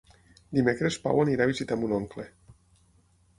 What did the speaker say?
Dimecres en Pau irà a visitar mon oncle.